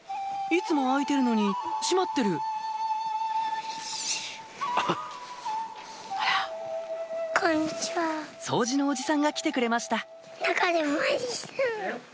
いつも開いてるのに閉まってる掃除のおじさんが来てくれました